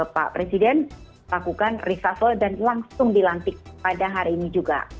pak presiden lakukan reshuffle dan langsung dilantik pada hari ini juga